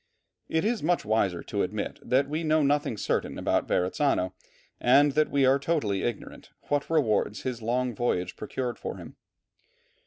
It is wiser to admit that we know nothing certain about Verrazzano, and that we are totally ignorant what rewards his long voyage procured for him.